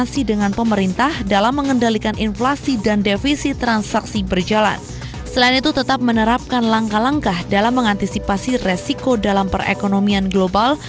selain itu tetap menerapkan langkah langkah dalam mengantisipasi resiko dalam perekonomian global